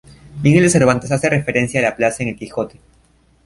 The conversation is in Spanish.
Miguel de Cervantes hace referencia a la plaza en el Quijote.